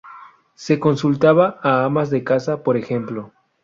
Se consultaba a amas de casa, por ejemplo.